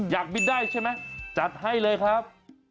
อยากบินได้ใช่ไหมจัดให้เลยครับ